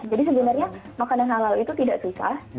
jadi sebenarnya makanan halal itu tidak susah